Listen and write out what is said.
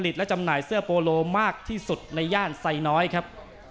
และจำหน่ายเสื้อโปโลมากที่สุดในย่านไซน้อยครับ